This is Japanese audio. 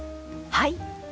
はい。